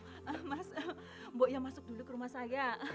mas mbak ya masuk dulu ke rumah saya